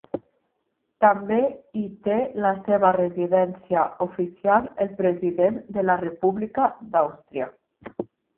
També hi té la seva residència oficial el President de la República d'Àustria.